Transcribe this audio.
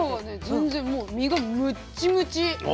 全然もう身がむっちむち。